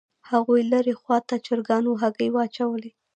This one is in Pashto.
هاغو لرې خوا ته چرګانو هګۍ واچولې